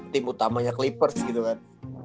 tim utamanya clippers gitu kan